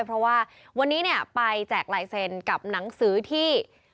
เพราะว่าวันนี้เนี่ยไปแจกลายเซ็นต์กับหนังสือที่